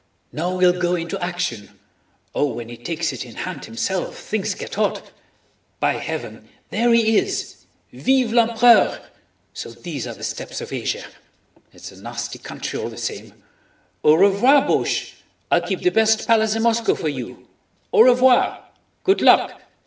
"Now we'll go into action. Oh, when he takes it in hand himself, things get hot... by heaven!... There he is!... Vive l'Empereur! So these are the steppes of Asia! It's a nasty country all the same. Au revoir, Beauché; I'll keep the best palace in Moscow for you! Au revoir. Good luck!...